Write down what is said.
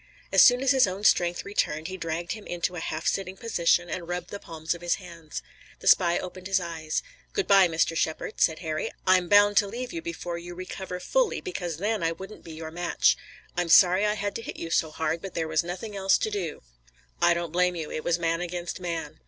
As soon as his own strength returned he dragged him into a half sitting position, and rubbed the palms of his hands. The spy opened his eyes. "Good by, Mr. Shepard," said Harry. "I'm bound to leave before you recover fully because then I wouldn't be your match. I'm sorry I had to hit you so hard, but there was nothing else to do." "I don't blame you. It was man against man."